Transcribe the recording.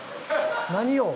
何を？